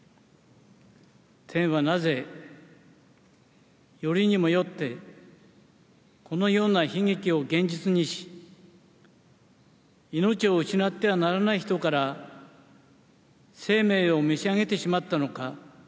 天はなぜ、よりにもよってこのような悲劇を現実にし、命を失ってはならない人から生命を召し上げてしまったのか。